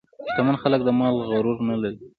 شتمن خلک د مال غرور نه لري.